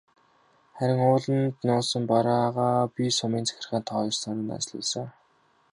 Харин ууланд нуусан бараагаа би сумын захиргаанд тоо ёсоор нь данслуулсан.